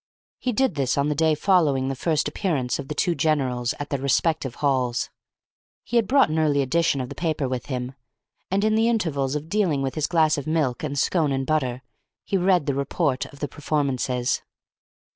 He did this on the day following the first appearance of the two generals at their respective halls. He had brought an early edition of the paper with him, and in the intervals of dealing with his glass of milk and scone and butter, he read the report of the performances.